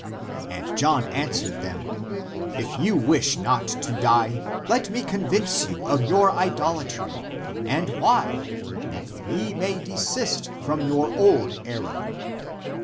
And John an swered them, "If you wish not to die, let me con vince you of your idolatry, and why? That ye may desist from your old error.